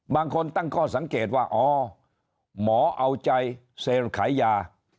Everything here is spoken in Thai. บางคนตั้งข้อสังเกตว่าอ๋อหมอเอาใจเซลขายยา